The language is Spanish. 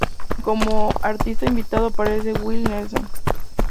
Como artista invitado aparece Willie Nelson.